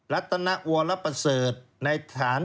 รัฐนวรประเสริฐในฐาน